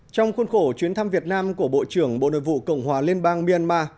trong khuôn khổ chuyến thăm việt nam của bộ trưởng bộ nội vụ cộng hòa liên bang myanmar